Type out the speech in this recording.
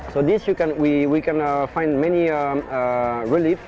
jadi ini kita dapat menemukan banyak relief